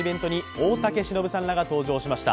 大竹しのぶさんらが登場しました。